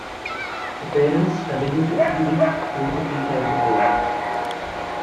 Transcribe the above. The parents continue to feed it two to three times a day.